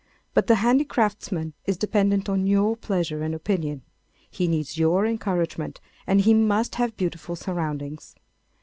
But the handicraftsman is dependent on your pleasure and opinion. He needs your encouragement and he must have beautiful surroundings.